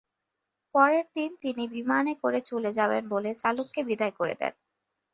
পরের দিন তিনি বিমানে করে চলে যাবেন বলে চালককে বিদায় করে দেন।